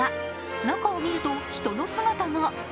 中を見ると人の姿が。